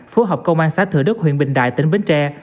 phối hợp công an xã thừa đức huyện bình đại tỉnh bến tre